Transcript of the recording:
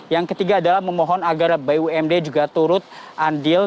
yang ketiga adalah memohon agar bumd juga turut andil